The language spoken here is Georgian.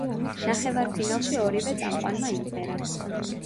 ნახევარფინალში ორივე წამყვანმა იმღერა.